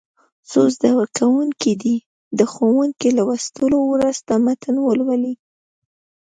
څو زده کوونکي دې د ښوونکي لوستلو وروسته متن ولولي.